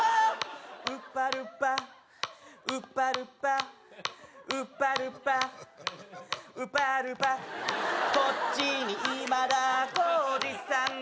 ウパルパウパルパウパルパウパルパこっちに今田耕司さん